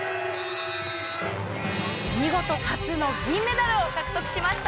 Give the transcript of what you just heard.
見事初の銀メダルを獲得しました！